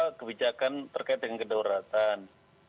satu kebijakan terkait dengan kedaruratan